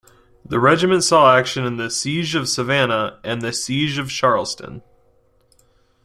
The regiment saw action at the Siege of Savannah and the Siege of Charleston.